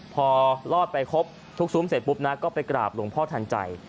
พอรอดไปครบทุกซุ้มเสร็จปุ๊บนะก็ไปกราบหลวงพ่อทันใจ